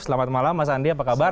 selamat malam mas andi apa kabar